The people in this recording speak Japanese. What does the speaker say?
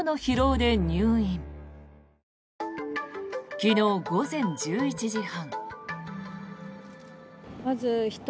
昨日午前１１時半。